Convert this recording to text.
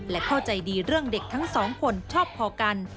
และเข้าใจดีเรื่องเด็กทั้งสองคนชอบพอกัน